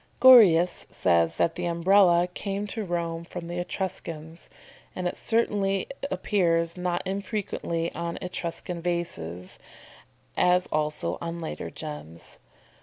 "] Gorius says that the Umbrella came to Rome from the Etruscans, and certainly it appears not infrequently on Etruscan vases, as also on later gems.